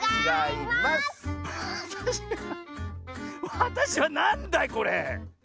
わたしはなんだいこれ？